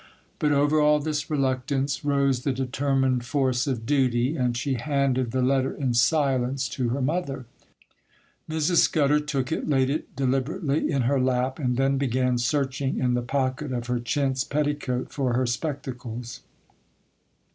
But over all this reluctance rose the determined force of duty; and she handed the letter in silence to her mother. Mrs. Scudder took it, laid it deliberately in her lap, and then began searching in the pocket of her chintz petticoat for her spectacles.